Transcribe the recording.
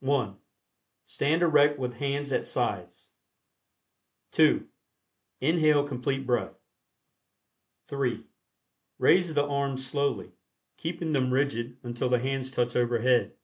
(1) Stand erect with hands at sides. (2) Inhale Complete Breath. (3) Raise the arms slowly, keeping them rigid until the hands touch over head.